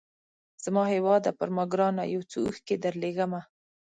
زما هیواده پر ما ګرانه یو څو اوښکي درلېږمه